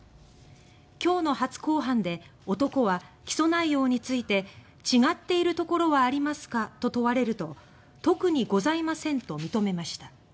きょうの初公判で男は起訴内容について「違っているところはありますか」と問われると「特にございません」と認めました。